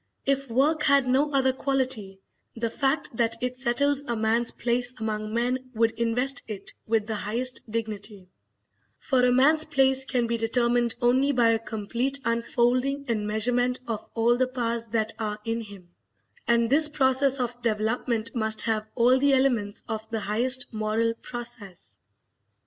If work had no other quality, the fact that it settles a man's place among men would invest it with the highest dignity; for a man's place can be determined only by a complete unfolding and measurement of all the powers that are in him, and this process of development must have all the elements of the highest moral process.